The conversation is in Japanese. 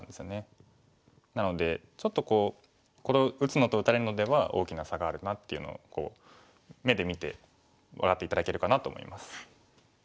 なのでちょっとこうこれを打つのと打たれるのでは大きな差があるなっていうのを目で見て分かって頂けるかなと思います。